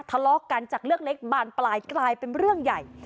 ทะเลาะกันจากเรื่องเล็กบานปลายกลายเป็นเรื่องใหญ่